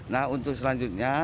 nah untuk selanjutnya